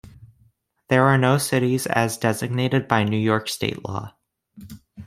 There are no cities as designated by New York State Law.